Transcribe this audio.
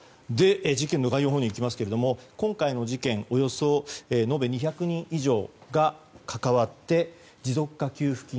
事件の概要にいきますが今回の事件、およそ延べ２００人以上が関わって持続化給付金